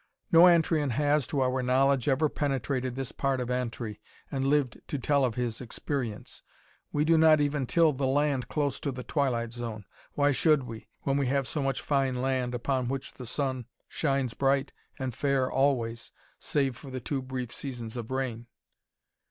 "No Antrian has, to our knowledge, ever penetrated this part of Antri, and lived to tell of his experience. We do not even till the land close to the twilight zone. Why should we, when we have so much fine land upon which the sun shines bright and fair always, save for the two brief seasons of rain?